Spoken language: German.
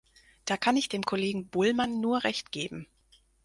Da kann ich dem Kollegen Bullmann nur recht geben.